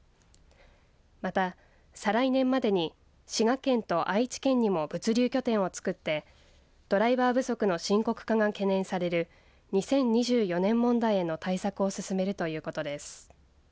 また、再来年までに滋賀県と愛知県にも物流拠点を作ってドライバー不足の深刻化が懸念される２０２４年問題への対策を進めるということです。